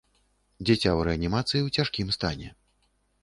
Дзіця ў рэанімацыі ў цяжкім стане.